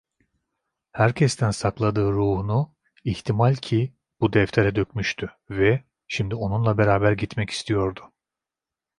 Herkesten sakladığı ruhunu ihtimal ki bu deftere dökmüştü ve şimdi onunla beraber gitmek istiyordu.